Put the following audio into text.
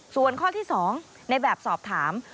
ส่วนข้อที่๒ในแบบสอบถาม